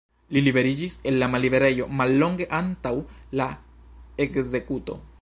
Li liberiĝis el la malliberejo mallonge antaŭ la ekzekuto.